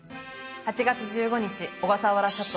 ８月１５日小笠原諸島